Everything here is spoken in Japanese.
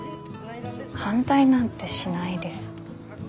反対なんてしないです。